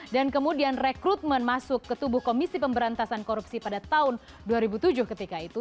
dan kemudian rekrutmen masuk ketubuh komisi pemberantasan korupsi pada tahun dua ribu tujuh ketika itu